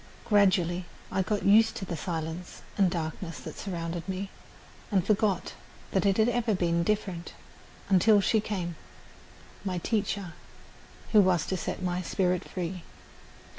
Gradually I got used to the silence and darkness that surrounded me and forgot that it had ever been different, until she came my teacher who was to set my spirit free.